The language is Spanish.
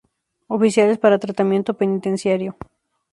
Oficiales para tratamiento penitenciario.